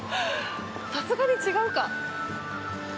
さすがに違うか。